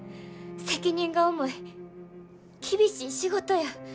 責任が重い厳しい仕事や。